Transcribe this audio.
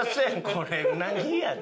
これうなぎやで？